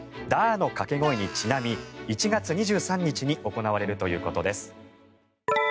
の掛け声にちなみ１月２３日に行われるということです。